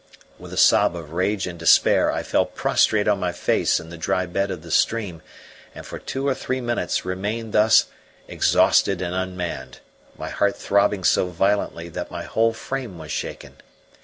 With a sob of rage and despair I fell prostrate on my face in the dry bed of the stream, and for two or three minutes remained thus exhausted and unmanned, my heart throbbing so violently that my whole frame was shaken.